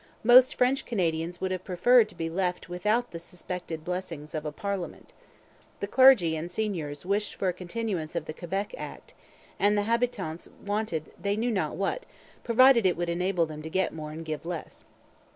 Most French Canadians would have preferred to be left without the suspected blessings of a parliament. The clergy and seigneurs wished for a continuance of the Quebec Act, and the habitants wanted they knew not what, provided it would enable them to get more and give less.